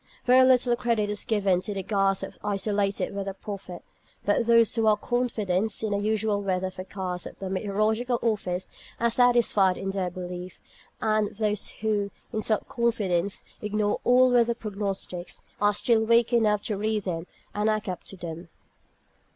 Very little credit is given to the "gas" of the isolated "weather prophet"; but those who have confidence in the usual weather forecasts from the Meteorological Office are satisfied in their belief; and those who, in self confidence, ignore all weather prognostics, are still weak enough to read them and act up to them.